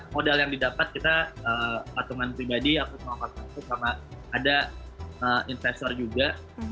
modal yang didapat kita katungan pribadi aku sama sama sama ada investor juga